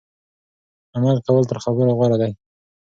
عمل کول تر خبرو غوره دي.